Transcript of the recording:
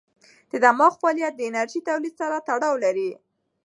د دماغ فعالیت د انرژۍ تولید سره تړاو لري.